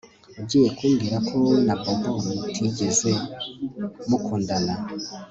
Ugiye kumbwira ko wowe na Bobo mutigeze mukundana